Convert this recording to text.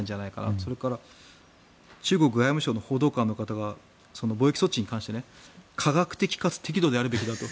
それから中国外務省の報道官の方が防疫措置に関して科学的かつ適度であるべきだと。